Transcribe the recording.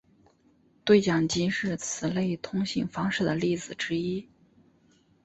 对讲机是此类通信方式的例子之一。